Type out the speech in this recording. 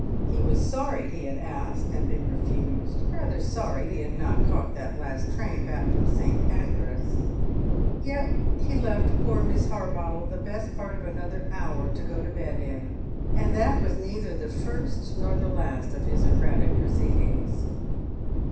He was sorry he had asked and been refused, rather sorry he had not caught that last train back from St. Pancras. Yet he left poor Miss Harbottle the best part of another hour to go to bed in; and that was neither the first nor the last of his erratic proceedings.